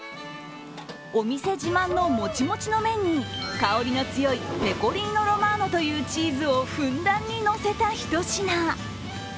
お店自慢のもちもちの麺に、香りの強いペコリーノ・ロマーノというチーズをふんだんに乗せたひと品。